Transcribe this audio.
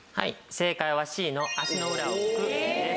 正解はＣの足の裏を拭くです。